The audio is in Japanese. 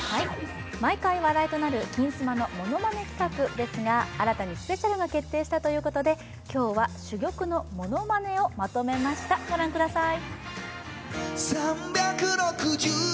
毎回話題となる「金スマ」のものまね企画ですが、新たにスペシャルが決定したということで、今日は珠玉のものまねをまとめました、御覧ください。